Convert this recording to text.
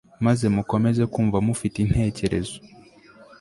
maze mukomeze kumva mufite intekerezo